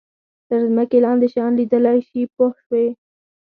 تر ځمکې لاندې شیان لیدلای شي پوه شوې!.